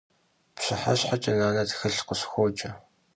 Pşıheşheç'e nane txılh sıkhıxuoce.